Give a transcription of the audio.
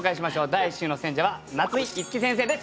第１週の選者は夏井いつき先生です。